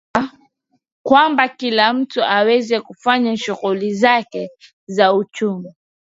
kwamba kila mtu aweze kufanya shughuli zake za uchumi